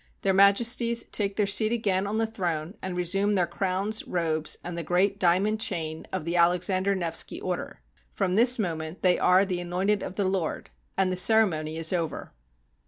Their Majesties take their seat again on the throne, and resume their crowns, robes, and the great diamond chain of the Alexander Nevsky Order. From this moment they are the anointed of the Lord, and the ceremony is over.